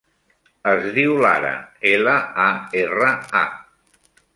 Es diu Lara: ela, a, erra, a.